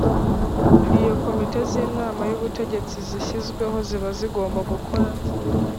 iyo komite z’inama y’ubutegetsi zishyizweho ziba zigomba gukora